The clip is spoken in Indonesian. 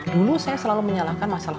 dulu saya selalu menyalahkan masalah